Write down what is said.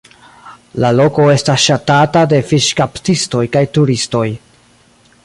La loko estas ŝatata de fiŝkaptistoj kaj turistoj.